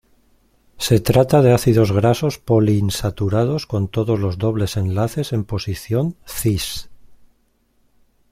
Se trata de ácidos grasos poliinsaturados con todos los dobles enlaces en posición "cis".